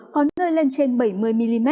có nơi lên trên bảy mươi mm